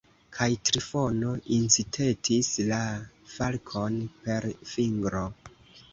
Kaj Trifono incitetis la falkon per fingro.